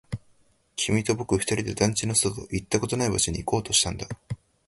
君と僕二人で団地の外、行ったことのない場所に行こうとしたんだ